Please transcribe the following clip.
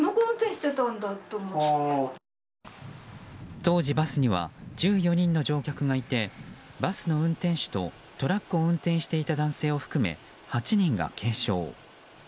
当時、バスには１４人の乗客がいてバスの運転手と、トラックを運転していた男性を含め８人が軽傷。